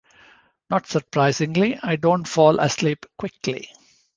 Not surprisingly, I don't fall asleep quickly.